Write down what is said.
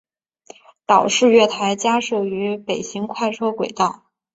岛式月台加设于北行快车轨道。